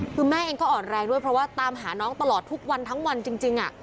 คือแม่เองก็อ่อนแรงด้วยเพราะว่าตามหาน้องตลอดทุกวันทั้งวันจริง